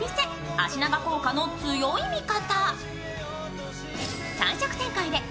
脚長効果の強い味方。